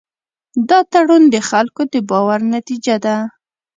دا تړون د خلکو د باور نتیجه ده.